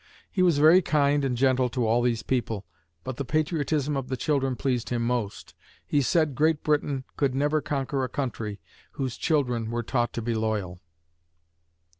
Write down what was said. He was very kind and gentle to all these people, but the patriotism of the children pleased him most. He said Great Britain could never conquer a country whose children were taught to be loyal.